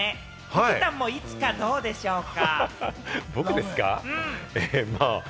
たけたんもいつかどうでしょうか？